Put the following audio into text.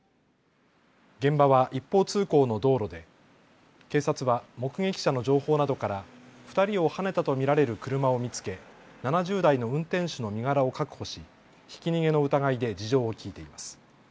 現場は一方通行の道路で警察は目撃者の情報などから２人をはねたと見られる車を見つけ、７０代の運転手の身柄を確保し、ひき逃げの疑いで事情を聞いています。